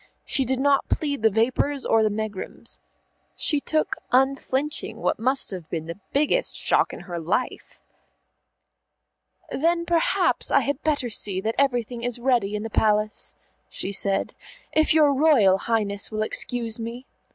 She did not plead the vapours or the megrims. She took unflinching what must have been the biggest shock in her life. "Then perhaps I had better see that everything is ready in the Palace," she said, "if your Royal Highness will excuse me."